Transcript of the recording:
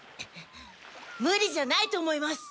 ムリじゃないと思います。